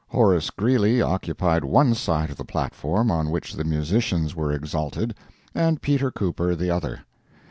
Horace Greeley occupied one side of the platform on which the musicians were exalted, and Peter Cooper the other.